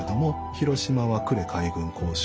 広島は呉海軍工廠。